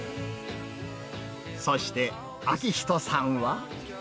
そして明人さんは。